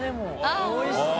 里法おいしそう！